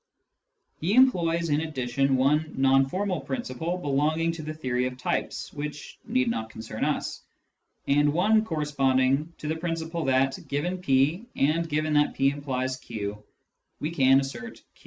He employs in addition one non formal principle belonging to the theory of types (which need not concern us), and one corresponding to the principle that, given p, and given that p implies q, we can assert q.